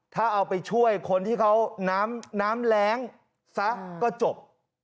ถ้าเอาไปช่วยคนที่เขาน้ำแรงซะก็จบ